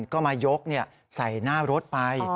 ก็มายกใส่หน้ารถไป